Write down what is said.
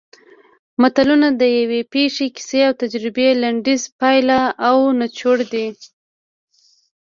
متلونه د یوې پېښې کیسې او تجربې لنډیز پایله او نچوړ دی